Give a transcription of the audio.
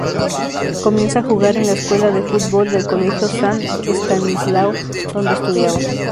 Comienza a jugar en la Escuela de Fútbol del Colegio San Estanislao, donde estudiaba.